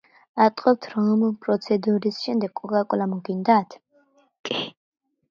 ატყობთ, რომ პროცედურის შემდეგ კოკა-კოლა მოგინდათ?